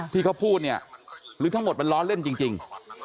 ที่เขาพูดเนี่ยหรือทั้งหมดมันล้อเล่นจริง